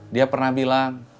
dia pernah bilang